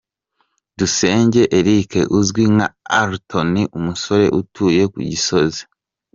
Dusenge Eric uzwi nka Alto ni umusore utuye ku Gisozi.